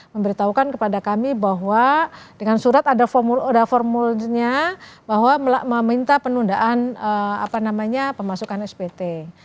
memberitahukan kepada kami bahwa dengan surat ada formulnya bahwa meminta penundaan pemasukan spt